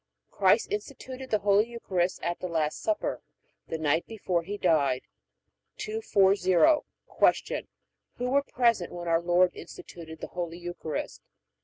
Christ instituted the Holy Eucharist at the Last Supper, the night before He died. 240. Q. Who were present when our Lord instituted the Holy Eucharist?